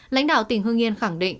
lãnh đạo tỉnh hưng yên khẳng định